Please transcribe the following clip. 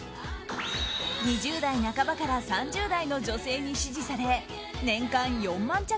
２０代半ばから３０代の女性に支持され年間４万着